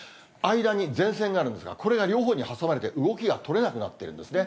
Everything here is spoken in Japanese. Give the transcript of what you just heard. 間に前線があるんですが、これが両方に挟まれて、動きが取れなくなっているんですね。